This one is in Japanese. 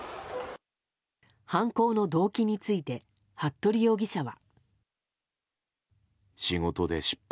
犯行の動機について服部容疑者は。